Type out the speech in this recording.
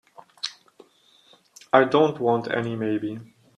I don't want any maybe.